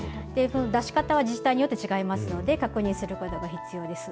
出し方は自治体によって違いますので、確認することが必要です。